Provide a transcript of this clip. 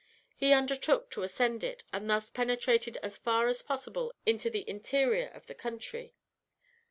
He undertook to ascend it, and thus penetrated as far as possible into the interior of the country.